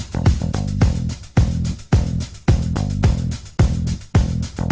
ค่ะ